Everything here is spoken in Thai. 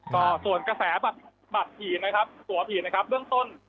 ก็ส่วนกระแสบัตรผีนะครับตัวผีนะครับเบื้องต้น